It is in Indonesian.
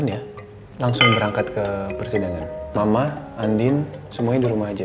disuruh sama bubos soalnya ini bagus buat bumil